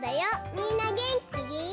みんなげんき？